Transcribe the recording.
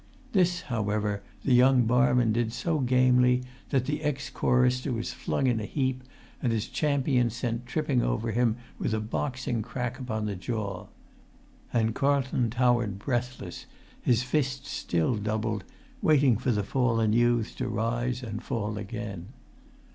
This, however, the young barman did so gamely that the ex chorister was flung in a heap and his champion sent tripping over him with a boxing crack upon the jaw. And Carlton towered breathless, his fists still doubled, waiting for the fallen youths to rise and fall again.